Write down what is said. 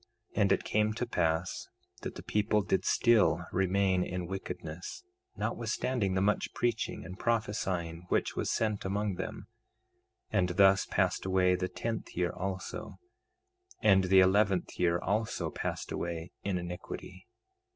2:10 And it came to pass that the people did still remain in wickedness, notwithstanding the much preaching and prophesying which was sent among them; and thus passed away the tenth year also; and the eleventh year also passed away in iniquity.